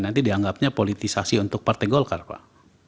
nanti dianggapnya politisasi untuk partai golkar pak